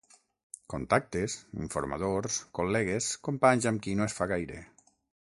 Contactes, informadors, col·legues, companys amb qui no es fa gaire.